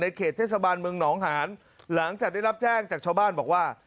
เขตเทศบาลเมืองหนองหานหลังจากได้รับแจ้งจากชาวบ้านบอกว่า